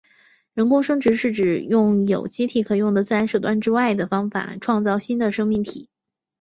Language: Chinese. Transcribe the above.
人工生殖是指用有机体可用的自然手段之外的方法创造新的生命体。